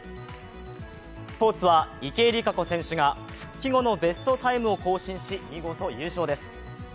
スポーツは池江璃花子選手が復帰後のベストタイムを更新し見事優勝です。